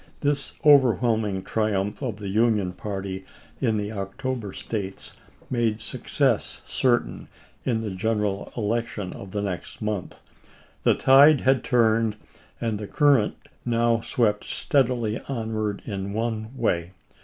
This overwhelming triumph of the Union party in the October States made sue 1863. cess certain in the general election of the next month. The tide had turned, and the current now swept steadily onward in one way.